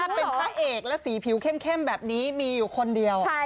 ถ้าเป็นพระเอกแล้วสีผิวเข้มแบบนี้มีอยู่คนเดียว